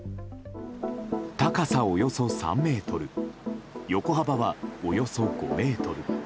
高さおよそ３ｍ横幅は、およそ５ｍ。